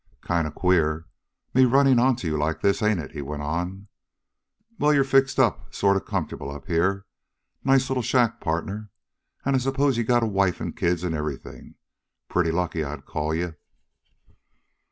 "Kind of queer, me running on to you like this, ain't it?" he went on. "Well, you're fixed up sort of comfortable up here. Nice little shack, partner. And I suppose you got a wife and kids and everything? Pretty lucky, I'd call you!"